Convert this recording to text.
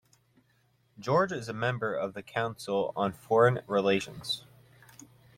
George is a member of the Council on Foreign Relations.